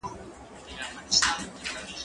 زه به لوبه کړې وي؟!